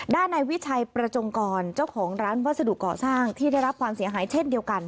ด้านในวิชัยประจงกรเจ้าของร้านวัสดุก่อสร้างที่ได้รับความเสียหายเช่นเดียวกัน